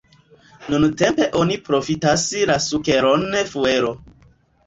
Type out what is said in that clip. Nuntempe oni profitas la sukeron fuelo.